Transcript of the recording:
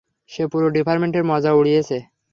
সে পুরো ডিপার্টমেন্টের মজা উড়িয়েছে।